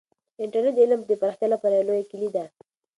انټرنیټ د علم د پراختیا لپاره یوه کیلي ده.